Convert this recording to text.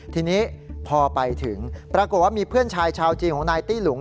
ทีนี้พอไปถึงปรากฏว่ามีเพื่อนชายชาวจีนของนายตี้หลุง